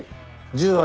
１０割だ。